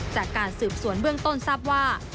จากการสืบสวนเบื้องต้นทราบว่า